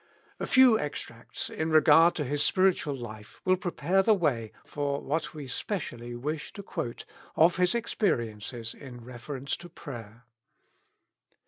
A few extracts in regard to his spiritual life will prepare the way for what we specially wish to quote of his experiences in reference to prayer.